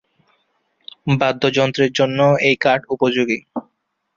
বাদ্যযন্ত্রের জন্যও এই কাঠ উপযোগী।